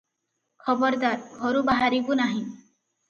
ଖବରଦାର! ଘରୁ ବାହାରିବୁ ନାହିଁ ।’